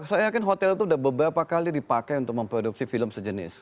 saya yakin hotel itu sudah beberapa kali dipakai untuk memproduksi film sejenis